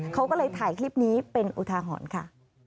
เขาก็เลยถ่ายคลิปนี้เป็นอุทาหรณ์ค่ะ